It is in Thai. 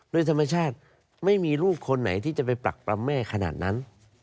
โดยธรรมชาติไม่มีลูกคนไหนที่จะไปปรักปรำแม่ขนาดนั้น